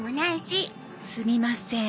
すみません。